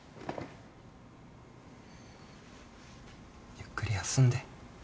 ゆっくり休んで。